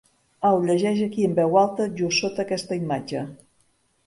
Au, llegeix aquí en veu alta, just sota aquesta imatge.